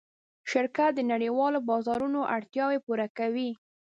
شرکت د نړۍوالو بازارونو اړتیاوې پوره کوي.